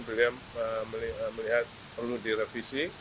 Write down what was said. beliau melihat perlu direvisi